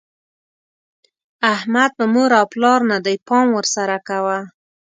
احمد په مور او پلار نه دی؛ پام ور سره کوه.